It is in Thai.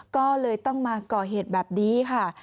ก็เลยต้องมาก่อเหตุแบบนี้ค่ะ